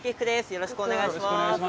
よろしくお願いします。